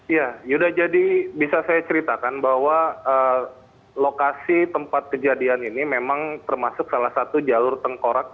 ya yuda jadi bisa saya ceritakan bahwa lokasi tempat kejadian ini memang termasuk salah satu jalur tengkorak